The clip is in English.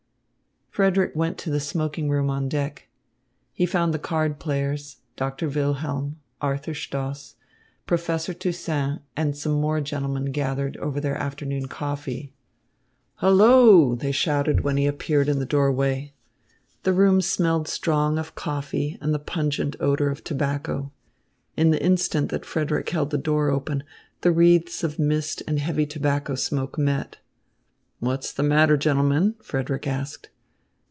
Frederick went to the smoking room on deck. He found the card players, Doctor Wilhelm, Arthur Stoss, Professor Toussaint and some more gentlemen gathered over their afternoon coffee. "Hullo!" they shouted when he appeared in the doorway. The room smelled strong of coffee and the pungent odour of tobacco. In the instant that Frederick held the door open, the wreaths of mist and heavy tobacco smoke met. "What's the matter, gentlemen?" Frederick asked.